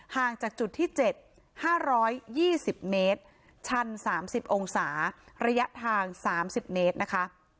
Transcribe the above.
ห่างจากจุดที่๗๕๒๐เมตรชัน๓๐องศาระยะทาง๓๐เมตรนะคะ